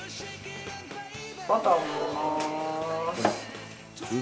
バターも入れます。